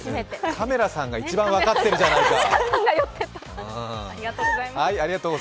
カメラさんが一番分かってるじゃないか。